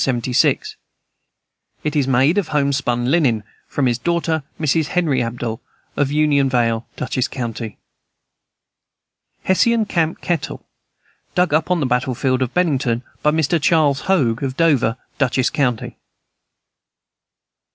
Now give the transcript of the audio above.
It is made of homespun linen. From his daughter, Mrs. Henry Abell, of Union Vale, Dutchess county. Hessian camp kettle, dug up on the battle field of Bennington. By Mr. Charles Hoag, of Dover, Dutchess county.